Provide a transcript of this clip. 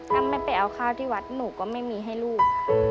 ถ้าไม่ไปเอาข้าวที่วัดหนูก็ไม่มีให้ลูก